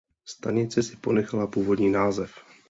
Stanice si ponechala původní název.